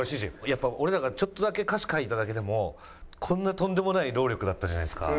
やっぱ俺らがちょっとだけ歌詞書いただけでもこんなとんでもない労力だったじゃないですか。